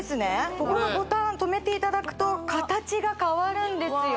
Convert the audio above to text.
ここのボタンとめていただくと形が変わるんですよ